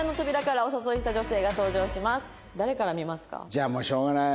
じゃあもうしょうがない。